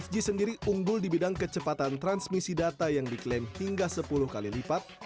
lima g sendiri unggul di bidang kecepatan transmisi data yang diklaim hingga sepuluh kali lipat